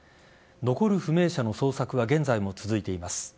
残る不明者の捜索は現在も続いています。